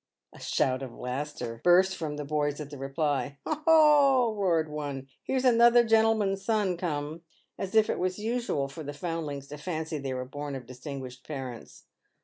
A shout of laughter burst from the boys at the reply. " Ho, ho !" roared one, " here's another gentleman's son come !" as if it was usual for the foundlings to fancy they were born of distinguished parents.